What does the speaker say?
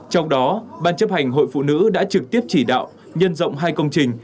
trong đó ban chấp hành hội phụ nữ đã trực tiếp chỉ đạo nhân rộng hai công trình